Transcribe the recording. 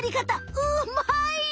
うまい！